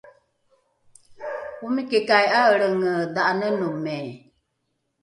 omikikai ’aelrenge dha’anenomi?